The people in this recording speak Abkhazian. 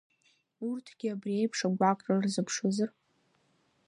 Урҭгьы абри еиԥш агәаҟра рзыԥшызар?